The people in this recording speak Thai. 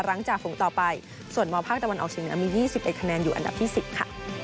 หลังจากฝุ่งต่อไปส่วนมภตะวันออกสินเนื้อมี๒๑คะแนนอยู่อันดับที่๑๐ค่ะ